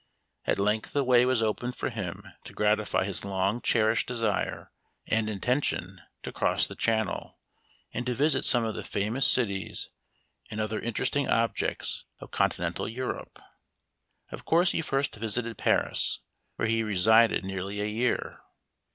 At length the way was open for him to gratify his long cherished desire and intention to cross the channel, and to visit some of the famous cities and other interesting objects of conti nental Europe. Of course he first visited Paris, where he resided nearly a year.